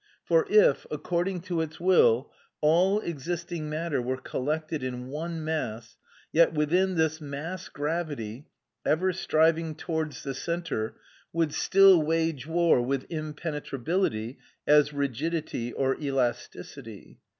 For if, according to its will, all existing matter were collected in one mass, yet within this mass gravity, ever striving towards the centre, would still wage war with impenetrability as rigidity or elasticity.